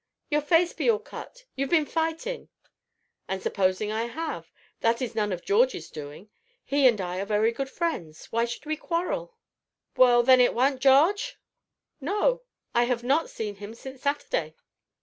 "Your face be all cut you've been fightin'!" "And supposing I have that is none of George's doing; he and I are very good friends why should we quarrel?" "Then then it weren't Jarge?" "No I have not seen him since Saturday."